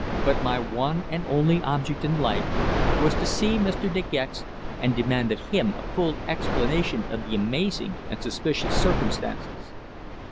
But my one and only object in life was to see Mr. De Gex and demand of him a full explanation of the amazing and suspicious circumstances.